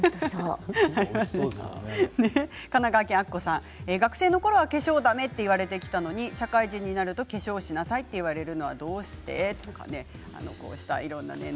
神奈川県の方は学生のころは化粧だめと言われたのに社会人になると化粧をしなさいって言われるのはどうしてとか。